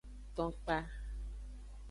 Ton kpa.